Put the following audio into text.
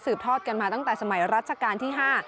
ทอดกันมาตั้งแต่สมัยรัชกาลที่๕